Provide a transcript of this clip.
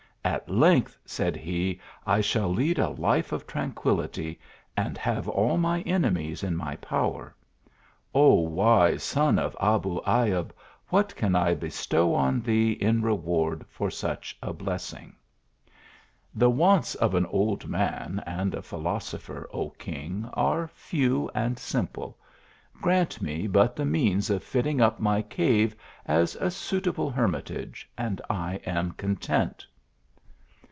" At length," said he, " I shall lead a life of tranquillity, and have all my enemies in my power. Oh ! wise son of Abu Ayub, what can I bestow on thee in reward for such a blessing? "" The wants of an old man and a philosopher, O king, are few and simple grant me but the means of fitting up my cave as a suitable hermitage, and I am content."